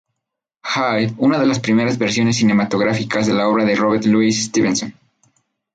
Hyde", una de las primeras versiones cinematográficas de la obra de Robert Louis Stevenson.